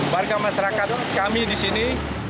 warga masyarakat kami di sini